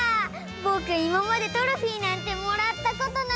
ぼくいままでトロフィーなんてもらったことないのに！